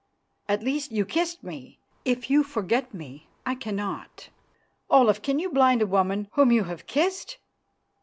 At least, you kissed me. If you forget, I cannot. Olaf, can you blind a woman whom you have kissed?"